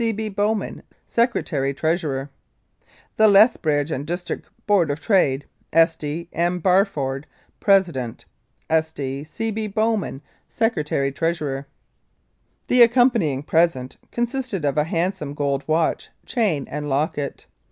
"(Sd.) C. B. BOWMAN, Secy. Treasurer. "THE LETHBRIDGE AND DISTRICT BOARD OF TRADE. "(Sd.) M. BARFORD, President, "(Sd.) C. B. BOWMAN, Secy. Treasurer." "The accompanying present" consisted of a hand some gold watch, chain and locket.